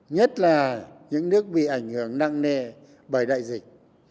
nhất là những nước bị ảnh hưởng nặng nề bởi đại dịch